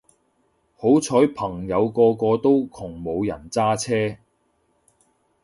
好彩朋友個個都窮冇人揸車